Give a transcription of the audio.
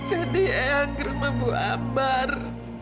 datingi ayang ke rumah bu ambar